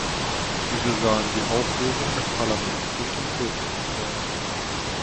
Diese sahen die Auflösung des Parlamentes durch den Fürsten vor.